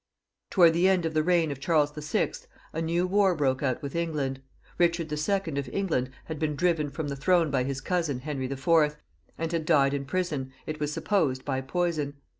Towards the end of the reign of Charles VI., a new war broke out with England. Eichard II. of England had been driven from the throne by his cousin, Henry IV., and had died in prison, it was supposed by poison.